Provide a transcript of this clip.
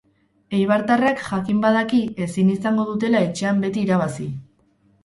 Eibartarrak jakin badaki ezin izango dutela etxean beti irabazi.